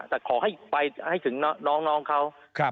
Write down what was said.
แต่ขอให้ไปให้ถึงน้องเขา